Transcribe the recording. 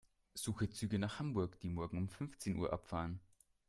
Suche Züge nach Hamburg, die morgen um fünfzehn Uhr abfahren.